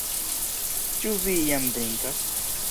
Ĉu vi jam drinkas?